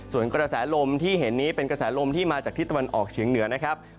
ส่วนกระแสลมที่เห็นนี้เป็นกระแสลมที่มาจากที่ตะวันออกเฉียงเหนือนะครับ